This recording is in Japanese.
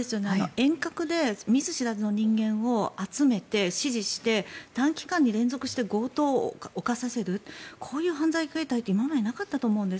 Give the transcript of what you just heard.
遠隔で見ず知らずの人間を集めて指示して短期間に連続して強盗を犯させるこういう犯罪形態って今までなかったと思うんです。